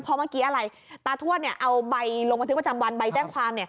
เพราะเมื่อกี้อะไรตาทวดเอาใบลงบันทึกประจำวันใบแจ้งความ